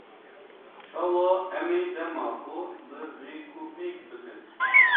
Çawa em ê dema xwe bi rêkûpêk bikin?